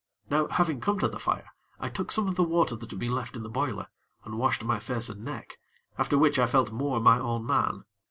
Now, having come to the fire, I took some of the water that had been left in the boiler, and washed my face and neck, after which I felt more my own man.